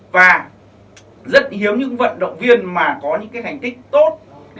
và rất hiếm những vận động viên mà có những cái hành tích tốt